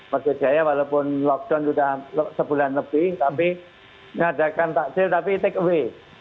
maksud saya walaupun lockdown sudah sebulan lebih tapi mengadakan takjil tapi take away